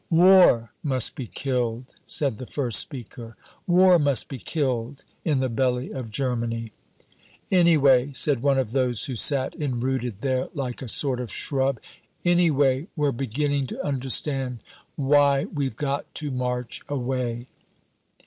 "War must be killed," said the first speaker, "war must be killed in the belly of Germany!" "Anyway," said one of those who sat enrooted there like a sort of shrub, "anyway, we're beginning to understand why we've got to march away."